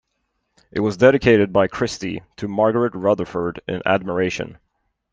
It was dedicated by Christie: To Margaret Rutherford, in admiration.